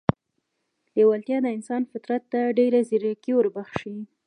لېوالتیا د انسان فطرت ته ډېره ځیرکي وربښي